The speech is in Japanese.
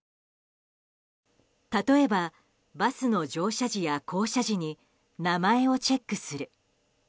例えば、バスの乗車時や降車時に名前をチェックする。